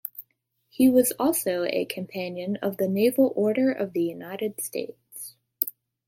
He was also a companion of the Naval Order of the United States.